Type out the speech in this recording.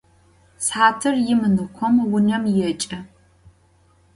Sıhatır yim ınıkhom vunem yêç'ı.